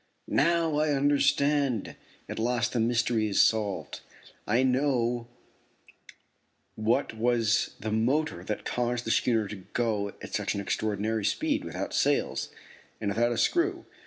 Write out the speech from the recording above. Now I understand! At last the mystery is solved. I know what was the motor that caused the schooner to go at such an extraordinary speed without sails and without a screw.